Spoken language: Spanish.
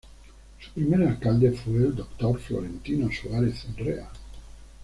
Su primer alcalde fue D. Florentino Suárez Rea.